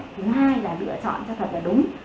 thứ hai là lựa chọn cho thật là đúng